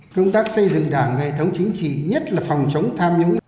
công tác xây dựng đảng hệ thống chính trị nhất là phòng chống tham nhũng